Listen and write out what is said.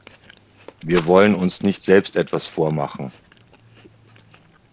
Wir wollen uns nicht selbst etwas vormachen.